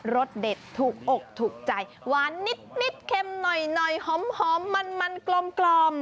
รสเด็ดถูกอกถูกใจหวานนิดเค็มหน่อยหอมมันกลม